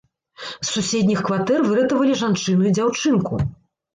З суседніх кватэр выратавалі жанчыну і дзяўчынку.